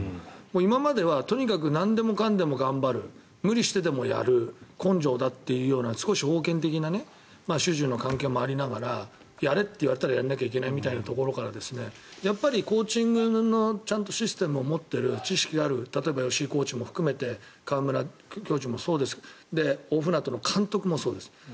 今まではとにかくなんでもかんでも頑張る無理してでもやる根性だという少し封建的な主従の関係もありながらやれって言われたらやらなきゃいけないってことからコーチングのちゃんとシステムを持っている知識がある吉井コーチも含めて川村教授もそうです大船渡の監督もそうです。